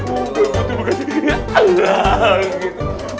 udah kutu buka lagi